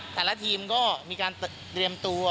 แต่ละทีมออกมาทะเลมีการเตรียมตัว